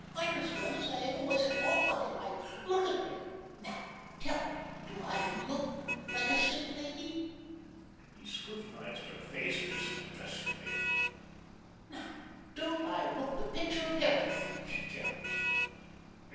"I'm as well as I ever was in all my life. Look at me. Now, tell me, do l look likee a sick lady?" He scrutinised her face distressfully. "Now, don't I look the picture of health?" she challenged.